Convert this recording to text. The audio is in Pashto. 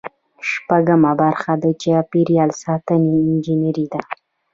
شپږمه برخه د چاپیریال ساتنې انجنیری ده.